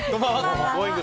Ｇｏｉｎｇ！